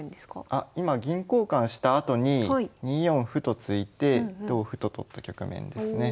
あ今銀交換したあとに２四歩と突いて同歩と取った局面ですね。